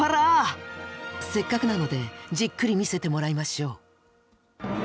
せっかくなのでじっくり見せてもらいましょう。